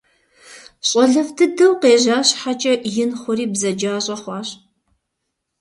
Щӏалэфӏ дыдэу къежьа щхьэкӏэ, ин хъури бзаджащӏэ хъуащ.